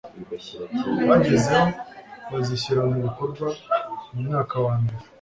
bagezeho bazishyira mu bikorwa mu mwaka wa mbere